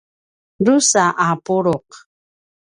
drusa a puluq